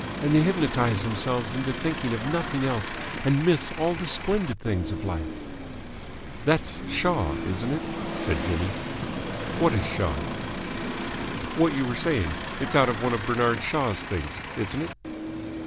And they hypnotise themselves into thinking of nothing else and miss all the splendid things of life." "That's Shaw, isn't it?" said Jimmy. "What is Shaw?" "What you were saying. It's out of one of Bernard Shaw's things, isn't it?"